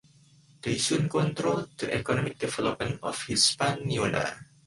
They soon controlled the economic development of Hispaniola.